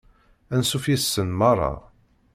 Ansuf yes-sen merra.